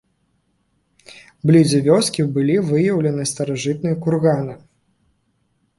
Блізу вёскі былі выяўленыя старажытныя курганы.